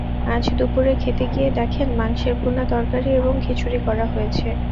আজ দুপুরে খেতে গিয়ে দেখেন, মাংসের ভূনা তরকারি এবং খিচুড়ি করা হয়েছে।